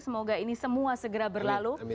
semoga ini semua segera berlalu